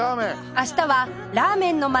明日はラーメンの街